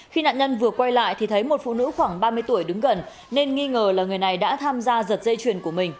khi nạn nhân vừa quay lại thì thấy một phụ nữ khoảng ba mươi tuổi đứng gần nên nghi ngờ là người này đã tham gia giật dây chuyền của mình